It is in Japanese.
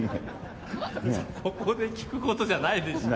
ここで聞くことじゃないでしょ。